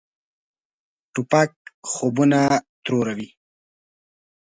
توپک خوبونه تروروي.